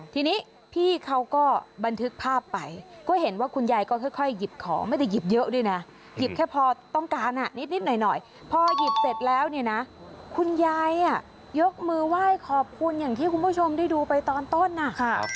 ทีนี้พี่เขาก็บันทึกภาพไปก็เห็นว่าคุณยายก็ค่อยหยิบของไม่ได้หยิบเยอะด้วยนะหยิบแค่พอต้องการนิดหน่อยพอหยิบเสร็จแล้วเนี่ยนะคุณยายยกมือไหว้ขอบคุณอย่างที่คุณผู้ชมได้ดูไปตอนต้นอ่ะค่ะ